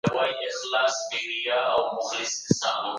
د هغې غونډې برخوال ډېر وه.